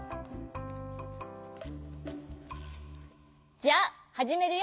じゃあはじめるよ。